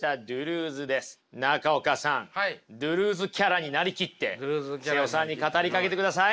ドゥルーズキャラに成りきって妹尾さんに語りかけてください。